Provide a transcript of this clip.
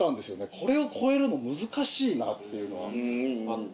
これを超えるの難しいなっていうのはあって。